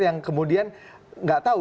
yang kemudian tidak tahu